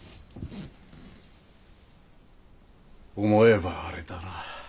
・思えばあれだな。